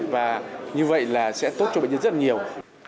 và như vậy là sẽ tốt cho bệnh nhân rất nhiều